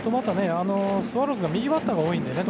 スワローズが右バッターが多いんでね。